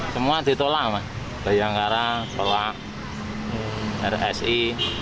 semua ditolak bayangkara tolak rsi